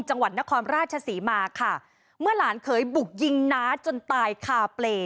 จังหวัดนครราชศรีมาค่ะเมื่อหลานเคยบุกยิงน้าจนตายคาเปรย์